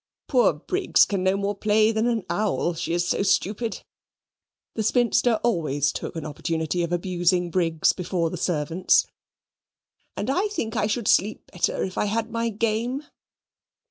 "Poor Briggs can no more play than an owl, she is so stupid" (the spinster always took an opportunity of abusing Briggs before the servants); "and I think I should sleep better if I had my game."